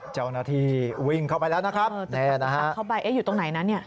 เจ้านาทีวิ่งเข้าไปแล้วนะครับ